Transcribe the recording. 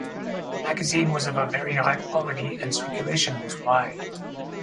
The magazine was of a very high quality and circulation was wide.